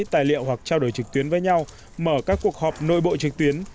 tài liệu hoặc trao đổi trực tuyến với nhau mở các cuộc họp nội bộ trực tuyến